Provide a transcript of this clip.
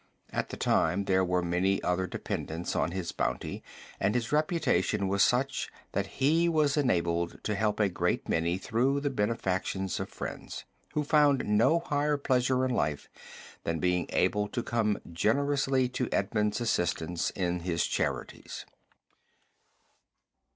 At the time there were many others dependent on his bounty and his reputation was such that he was enabled to help a great many through the benefactions of friends, who found no higher pleasure in life than being able to come generously to Edmund's assistance in his charities.